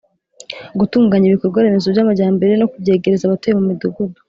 gutunganya ibikorwa remezo by'amajyambere no kubyegereza abatuye mu midugudu.